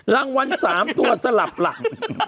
รางวัล๓ตัวสลับหลัง